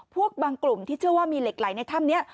บางกลุ่มที่เชื่อว่ามีเหล็กไหลในถ้ำนี้